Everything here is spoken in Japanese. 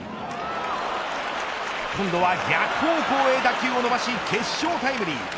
今度は逆方向へ打球を伸ばし決勝タイムリー。